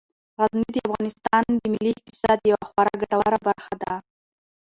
غزني د افغانستان د ملي اقتصاد یوه خورا ګټوره برخه ده.